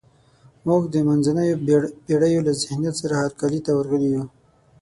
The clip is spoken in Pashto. موږ د منځنیو پېړیو له ذهنیت سره هرکلي ته ورغلي یو.